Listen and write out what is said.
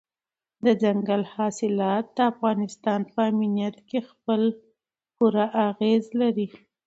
دځنګل حاصلات د افغانستان په امنیت هم خپل پوره اغېز لري.